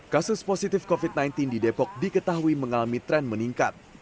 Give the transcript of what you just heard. kasus positif covid sembilan belas di depok diketahui mengalami tren meningkat